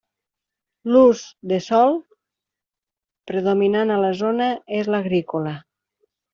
L'ús de sòl predominant a la zona és l'agrícola.